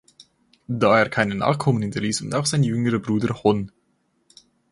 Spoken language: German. Da er keine Nachkommen hinterließ und auch sein jüngerer Bruder Hon.